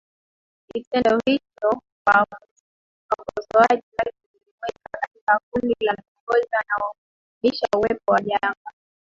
Kitendo hicho kwa wakosoaji wake kilimweka katika kundi la viongozi wanaobisha uwepo wa janga